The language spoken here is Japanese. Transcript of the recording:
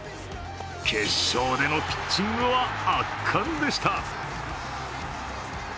決勝でのピッチングは圧巻でした。